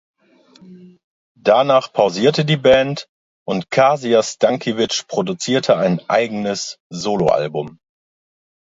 Danach pausierte die Band und Kasia Stankiewicz produzierte ein eigenes Solo-Album.